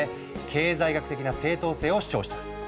経済学的な正当性を主張した。